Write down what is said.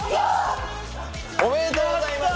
おめでとうございます！